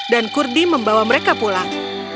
dan kurdi membawa mereka pulang